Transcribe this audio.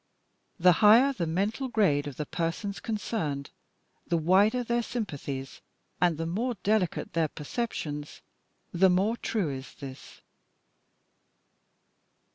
The higher the mental grade of the persons concerned, the wider their sympathies, and the more delicate their perceptions, the more true is this.